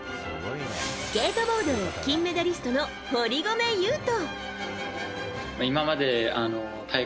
スケートボード金メダリストの堀米雄斗。